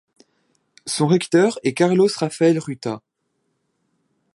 Son recteur est Carlos Rafael Ruta.